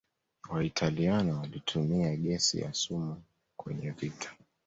waitaliano walitumia gesi ya sumu kwenye vita